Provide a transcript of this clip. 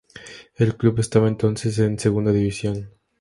El club estaba entonces en Segunda División.